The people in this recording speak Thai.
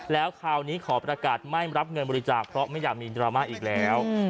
แล้วคราวนี้ขอประกาศไม่รับเงินบริจาคเพราะไม่อยากมีดราม่าอีกแล้ว